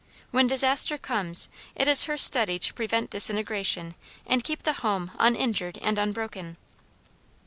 When disaster comes, it is her study to prevent disintegration and keep the home uninjured and unbroken.